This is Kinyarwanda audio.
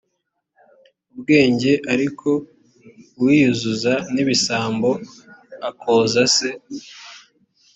ubwenge ariko uwiyuzuza n ibisambo akoza se